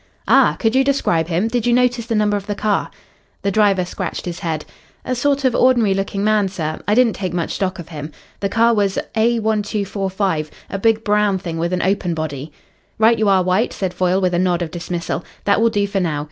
"Ah! Could you describe him? Did you notice the number of the car?" The driver scratched his head. "A sort of ordinary looking man, sir. I didn't take much stock of him. The car was A 1245 a big brown thing with an open body." "Right you are, White," said Foyle with a nod of dismissal. "That will do for now.